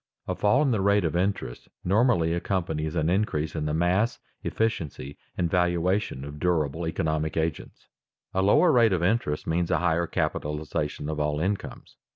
_A fall in the rate of interest normally accompanies an increase in the mass, efficiency, and valuation of durable economic agents._ A lower rate of interest means a higher capitalization of all incomes.